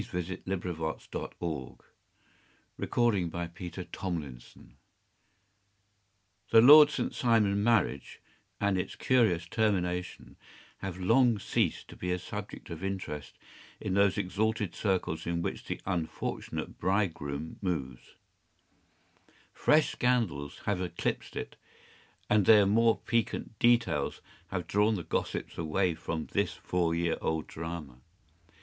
” Adventure X THE ADVENTURE OF THE NOBLE BACHELOR THE Lord St. Simon marriage, and its curious termination, have long ceased to be a subject of interest in those exalted circles in which the unfortunate bridegroom moves. Fresh scandals have eclipsed it, and their more piquant details have drawn the gossips away from this four year old drama.